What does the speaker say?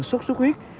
sốt xuất huyết